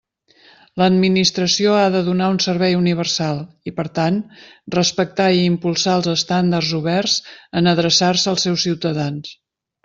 L'administració ha de donar un servei universal i, per tant, respectar i impulsar els estàndards oberts en adreçar-se als seus ciutadans.